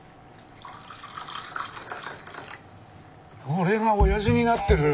俺がオヤジになってる。